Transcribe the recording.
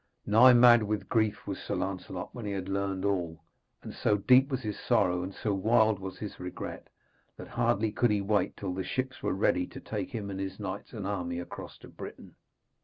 Nigh mad with grief was Sir Lancelot when he had learned all, and so deep was his sorrow and so wild was his regret, that hardly could he wait till the ships were ready to take him and his knights and army across to Britain.